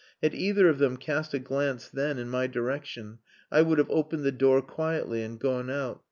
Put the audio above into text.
Had either of them cast a glance then in my direction, I would have opened the door quietly and gone out.